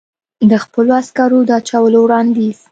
د خپلو عسکرو د اچولو وړاندیز.